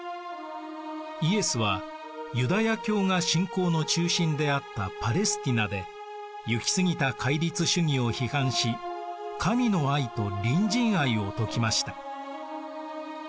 イエスはユダヤ教が信仰の中心であったパレスティナで行き過ぎた戒律主義を批判し神の愛と隣人愛を説きました。